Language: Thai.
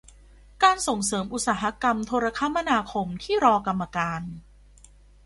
การส่งเสริมอุตสาหกรรมโทรคมนาคมที่รอกรรมการ